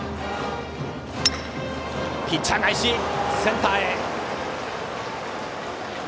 ピッチャー返し、センターへ。